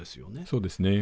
そうですね。